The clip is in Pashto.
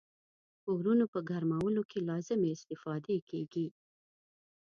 کورونو په ګرمولو کې لازمې استفادې کیږي.